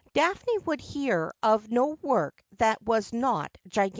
Daphne would hear of no work that was not gigantic.